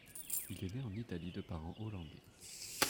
Il est né en Italie de parents hollandais.